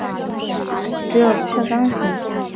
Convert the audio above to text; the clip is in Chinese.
只有不锈钢型。